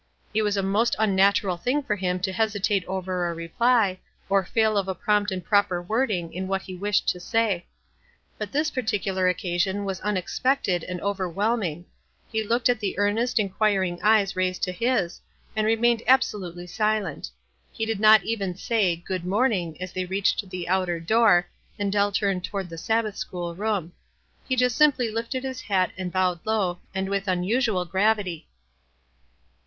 It was a most unnatural thing for him to hesitate over a reply, or fail of a prompt and proper wording in what be wished to say. But this particular occasion was unexpected and overwhelming. He looked at the earnest, in quiring eyes raised to bis, and remained abso lutely silent. He did not even say " Good morning" as they reached the outer door and Dell turned toward the Sabbath school room. He just simply lifted his bat and bowed low, and with unusual gravity.